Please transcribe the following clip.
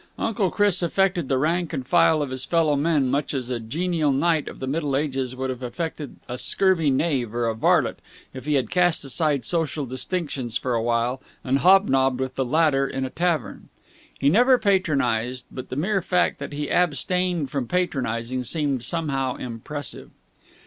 Uncle Chris affected the rank and file of his fellow men much as a genial knight of the Middle Ages would have affected a scurvy knave or varlet if he had cast aside social distinctions for a while and hobnobbed with the latter in a tavern. He never patronized, but the mere fact that he abstained from patronizing seemed somehow impressive.